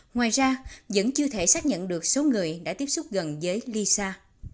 ngoài ra vẫn chưa thể xác nhận được số người đã tiếp xúc gần với lisa